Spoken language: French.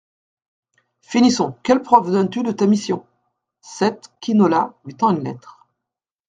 Finissons, quelle preuve donnes-tu de ta mission ? sept QUINOLA , lui tend une lettre.